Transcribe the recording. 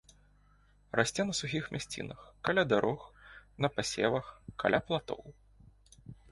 Расце на сухіх мясцінах, каля дарог, на пасевах, каля платоў.